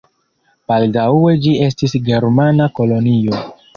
Baldaŭe ĝi estis germana kolonio.